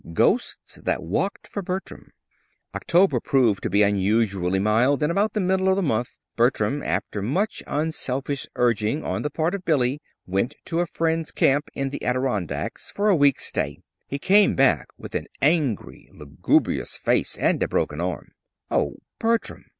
GHOSTS THAT WALKED FOR BERTRAM October proved to be unusually mild, and about the middle of the month, Bertram, after much unselfish urging on the part of Billy, went to a friend's camp in the Adirondacks for a week's stay. He came back with an angry, lugubrious face and a broken arm. "Oh, Bertram!